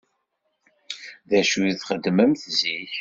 D acu i txeddmemt zik?